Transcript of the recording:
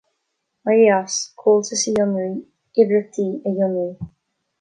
Éirí as; Comhaltas a Fhionraí; Oibríochtaí a Fhionraí.